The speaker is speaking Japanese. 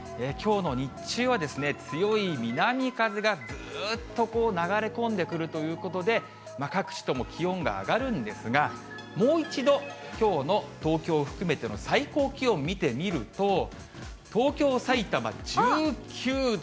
きょうの日中はですね、強い南風がずーっとこう流れ込んでくるということで、各地とも気温が上がるんですが、もう一度きょうの東京を含めての最高気温、見てみると、東京、暖かい。